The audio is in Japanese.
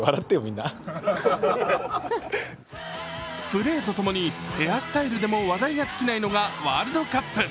プレーとともにヘアスタイルでも話題が尽きないのがワールドカップ。